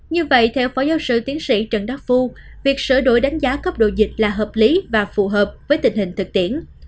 như vậy theo phó giáo sư tiến sĩ trần đắc phu việc sửa đổi đánh giá cấp độ dịch là hợp lý và phù hợp với tình hình thực tiễn